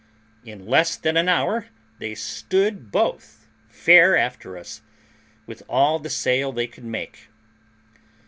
In less than an hour they stood both fair after us, with all the sail they could make.